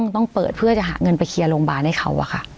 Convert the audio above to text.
ต้องเปิดเพื่อจะหาเงินไปเคลียร์โรงพยาบาลให้เขา